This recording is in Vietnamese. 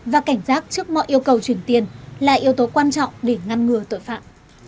và cảnh giác trước mọi yêu cầu chuyển tiền là yếu tố quan trọng để ngăn ngừa tội phạm